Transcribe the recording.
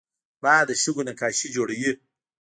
باد د شګو نقاشي جوړوي